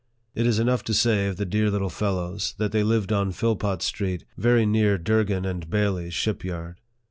It is enough to say of the dear little fellows, that they lived on Philpot Street, very near Durgin and Bailey's ship yard.